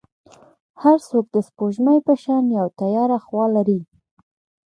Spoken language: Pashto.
هر څوک د سپوږمۍ په شان یو تیاره خوا لري.